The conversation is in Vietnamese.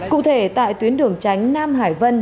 cụ thể tại tuyến đường tránh nam hải vân